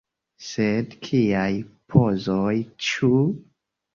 Sed kiaj pozoj, ĉu?